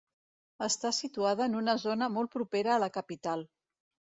Està situada en una zona molt propera a la capital.